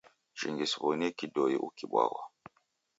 Jingi siw'onie kidoi ukibwaghwa.